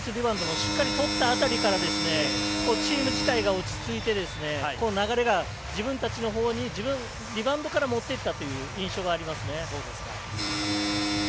しっかりとった辺りからチーム自体が落ち着いて流れが自分たちのほうにリバウンドから持っていったという印象がありますね。